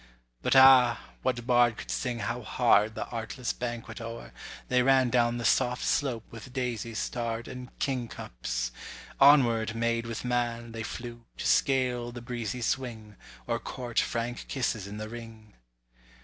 But ah! what bard could sing how hard, The artless banquet o'er, they ran Down the soft slope with daisies starr'd And kingcups! onward, maid with man, They flew, to scale the breezy swing, Or court frank kisses in the ring.